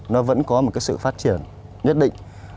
nó vẫn có một cái sự phát triển nhất định